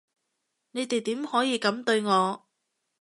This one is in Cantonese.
你哋點可以噉對我？